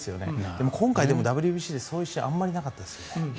でも今回、ＷＢＣでそういう試合あまりなかったですよね。